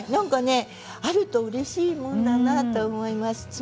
あるとうれしいもんだなと思います。